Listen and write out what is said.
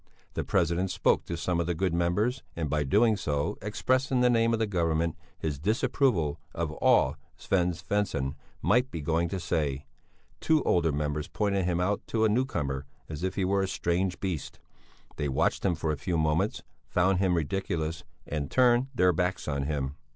The president spoke to some of the good members and by doing so expressed in the name of the Government his disapproval of all Sven Svensson might be going to say. Two older members pointed him out to a newcomer as if he were a strange beast; they watched him for a few moments, found him ridiculous and turned their backs on him.